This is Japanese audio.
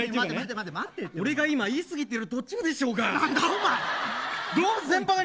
俺が言い過ぎてる途中でしょうが。